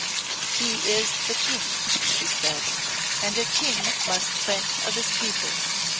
"He is the King," she said, "and a King must think of his people.